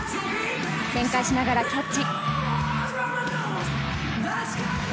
転回しながらキャッチ。